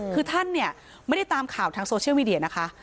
คือท่านเนี่ยไม่ได้ตามข่าวทางโซเชียลมีเดียนะคะ